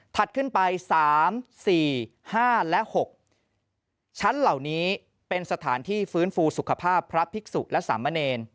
ขึ้นไป๓๔๕และ๖ชั้นเหล่านี้เป็นสถานที่ฟื้นฟูสุขภาพพระภิกษุและสามเณร